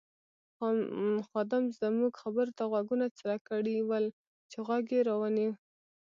خادم زموږ خبرو ته غوږونه څرک کړي ول چې غوږ یې را ونیو.